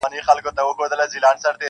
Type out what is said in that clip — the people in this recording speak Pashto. حقيقت لا هم نيمګړی ښکاري ډېر-